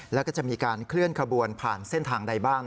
แล้วก็จะมีการเคลื่อนขบวนผ่านเส้นทางใดบ้าง